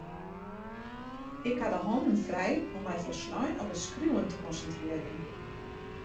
Ik ha de hannen frij om my folslein op it skriuwen te konsintrearjen.